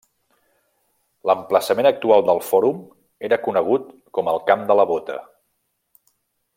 L'emplaçament actual del Fòrum era conegut com el Camp de la Bota.